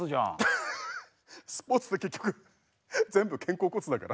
ハッスポーツって結局全部肩甲骨だから。